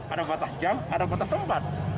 ada batas jam ada batas tempat